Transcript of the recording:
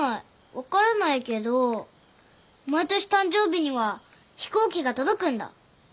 分からないけど毎年誕生日には飛行機が届くんだ。